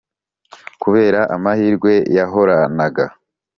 kubera amahirwe yahoranaga